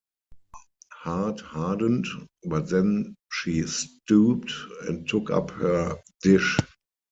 Her heart hardened; but then she stooped and took up her dish.